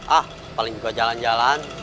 ah paling juga jalan jalan